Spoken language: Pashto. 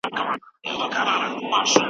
د غریبانو حق یو ثابت الهي امر دی.